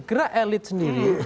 gerak elit sendiri